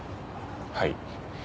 はい。